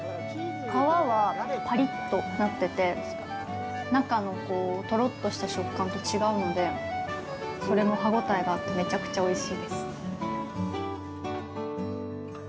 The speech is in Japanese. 皮はパリッとなってて、中のとろっとした食感と違うので、それも歯応えがあって、めちゃくちゃおいしいです。